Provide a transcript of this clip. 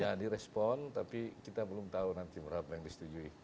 ya direspon tapi kita belum tahu nanti berapa yang disetujui